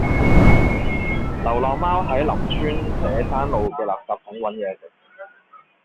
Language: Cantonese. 流浪貓喺林村社山路嘅垃圾桶搵野食